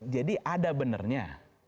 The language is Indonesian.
jadi ada benarnya